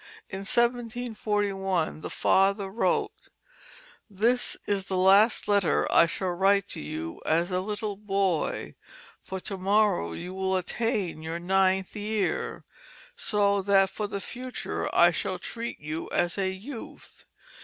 In 1741 the father wrote: "This is the last letter I shall write to you as a little boy, for to morrow you will attain your ninth year; so that for the future, I shall treat you as a youth.